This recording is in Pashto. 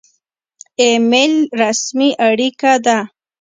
ایمیل رسمي اړیکه ده